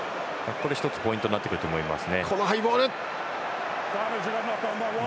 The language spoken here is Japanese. １つポイントになってくると思います。